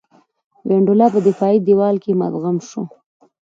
وینډولا په دفاعي دېوال کې مدغم شو.